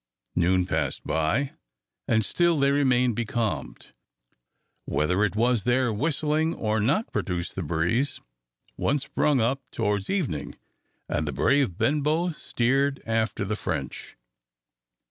Noon passed by, and still they remained becalmed. Whether it was their whistling or not produced the breeze, one sprung up towards evening, and the brave Benbow steered after the French.